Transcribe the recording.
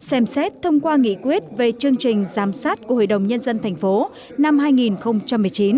xem xét thông qua nghị quyết về chương trình giám sát của hội đồng nhân dân tp năm hai nghìn một mươi chín